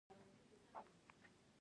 افغانستان د پکتیا له پلوه متنوع دی.